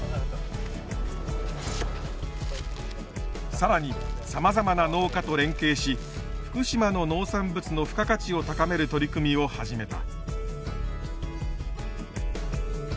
更にさまざまな農家と連携し福島の農産物の付加価値を高める取り組みを始めた。